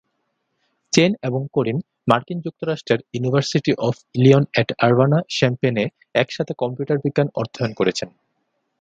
Chain এবং করিম মার্কিন যুক্তরাষ্ট্রের ইউনিভার্সিটি অব ইলিনয় অ্যাট আর্বানা-শ্যাম্পেইন-এ একসাথে কম্পিউটার বিজ্ঞান অধ্যয়ন করেছেন।